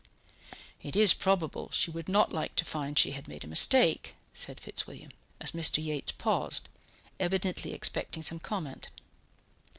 "It is probable she would not like to find she had made a mistake," said Fitzwilliam, as Mr. Yates paused, evidently expecting some comment.